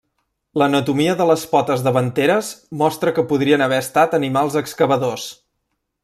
L'anatomia de les potes davanteres mostra que podrien haver estat animals excavadors.